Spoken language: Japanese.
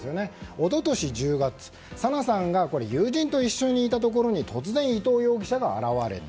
一昨年１０月、紗菜さんが友人と一緒にいたところに突然伊藤容疑者が現れた。